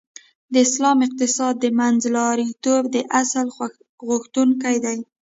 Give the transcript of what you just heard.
د اسلام اقتصاد د منځلاریتوب د اصل غوښتونکی دی .